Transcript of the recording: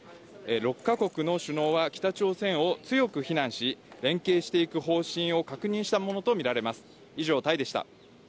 ６か国の首脳は、北朝鮮を強く非難し、連携していく方針を確認したものと見られます。